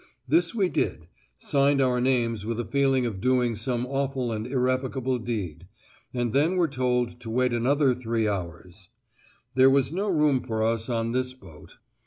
This we did, signed our names with a feeling of doing some awful and irrevocable deed, and then were told to wait another three hours: there was no room for us on this boat!